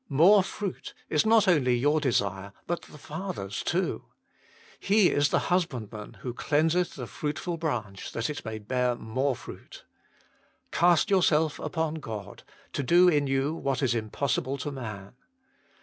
" More fruit " is not only your desire, but the Father s too. He is the Husbandman who cleanseth the fruitful branch, that it may bear more fruit. Cast yourself upon God, to do in you what is impossible to man.